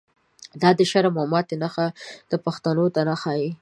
دا دشرم او ماتی نښی، پښتنوته نه ښاییږی